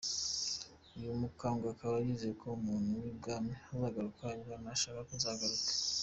Uyu mukambwe akaba yizeye ko ku buntu bw’Imana azagaruka “Imana n’ibishaka, Nzagaruka”.